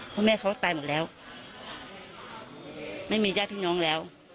เพราะแม่เขาตายหมดแล้วไม่มีญาติพี่น้องแล้ว